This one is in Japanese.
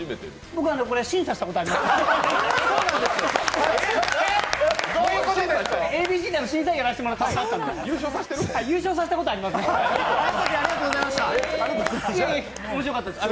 僕、これ審査したことあります。